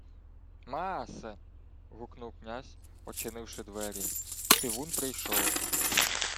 — Maace! — гукнув князь, одчинивши двері. Тивун прийшов.